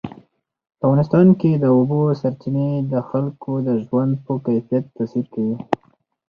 په افغانستان کې د اوبو سرچینې د خلکو د ژوند په کیفیت تاثیر کوي.